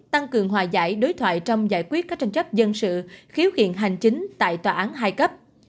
tăng cường hòa giải đối thoại trong giải quyết các tranh chấp dân sự khiếu kiện hành chính tại tòa án hai cấp